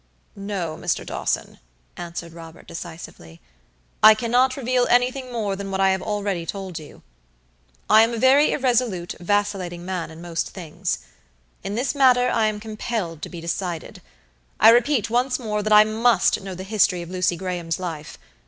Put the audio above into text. "No, Mr. Dawson," answered Robert, decisively; "I cannot reveal anything more than what I have already told you. I am a very irresolute, vacillating man in most things. In this matter I am compelled to be decided. I repeat once more that I must know the history of Lucy Graham's life.